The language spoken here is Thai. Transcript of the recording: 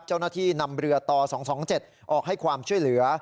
เจ้าหน้าที่นำเรือต่อ๒๒๗ออกให้ความช่วยเหลือ